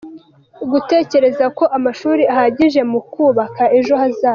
Gutekereza ko amashuri ahagije mu kubaka ejo hazaza.